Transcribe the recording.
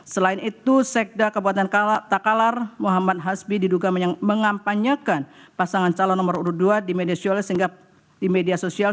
selain itu sekda kabupaten takalar muhammad hasbi diduga mengampanyakan pasangan calon nomor kedua di media sosial